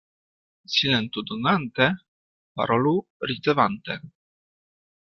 Silentu donante, parolu ricevante.